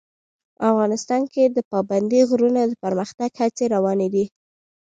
افغانستان کې د پابندی غرونه د پرمختګ هڅې روانې دي.